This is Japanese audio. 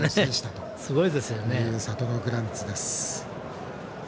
という、サトノグランツです。